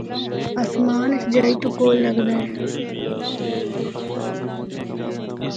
اسمان اس جائی تو کول لگدا اے۔